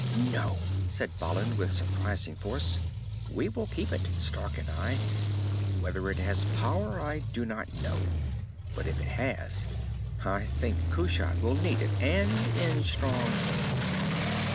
"No!" said Balin, with surprising force. "We will keep it, Stark and I. Whether it has power, I do not know. But if it has I think Kushat will need it, and in strong hands."